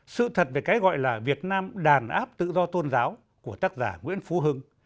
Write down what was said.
sự thật về cái gọi là việt nam đàn áp tự do tôn giáo của tác giả nguyễn phú hưng